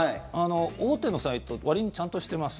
大手のサイトわりにちゃんとしてます。